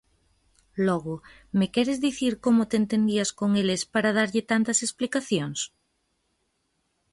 Logo, me queres dicir como te entendías con eles para darlle tantas explicacións?